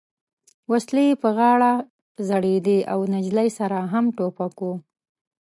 وسلې یې پر غاړه ځړېدې او نجلۍ سره هم ټوپک و.